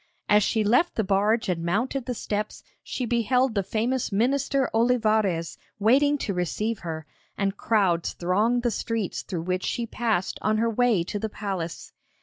As she left the barge and mounted the steps she beheld the famous Minister Olivarez waiting to receive her, and crowds thronged the streets through which she passed on her way to the palace.